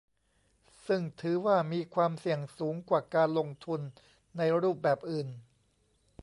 ซึ่งถือว่ามีความเสี่ยงสูงกว่าการลงทุนในรูปแบบอื่น